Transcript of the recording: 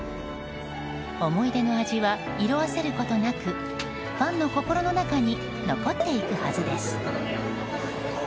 思い出の味は色あせることなくファンの心の中に残っていくはずです。